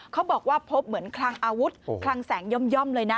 เขาบอกว่าพบเหมือนคลังอาวุธคลังแสงย่อมเลยนะ